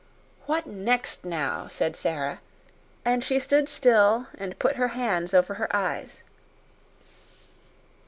"What next, now?" said Sara, and she stood still and put her hands over her eyes.